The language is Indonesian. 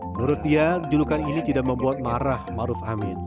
menurut dia julukan ini tidak membuat marah maruf amin